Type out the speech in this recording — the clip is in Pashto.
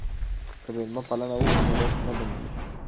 که مېلمه پالنه وکړو نو رزق نه بندیږي.